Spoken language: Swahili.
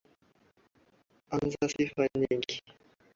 Anazo sifa nyingi.